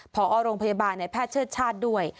พอโรงพยาบาลในแพทย์เชิดชาติด้วย